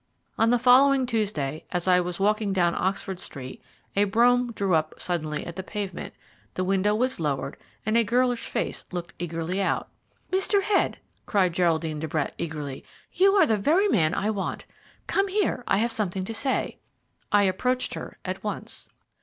On the following Tuesday, as I was walking down Oxford Street, a brougham drew up suddenly at the pavement, the window was lowered, and a girlish face looked eagerly out. "Mr. Head," cried Geraldine de Brett eagerly, "you are the very man I want. Come here, I have something to say." I approached her at once.